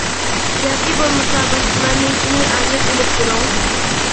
ياكى بولمىسا، باشقىلارنىڭكىنى ئارىيەت ئېلىپ تۇرۇڭ.